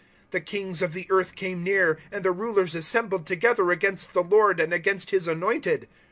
004:026 The kings of the earth came near, and the rulers assembled together against the Lord and against His Anointed.'"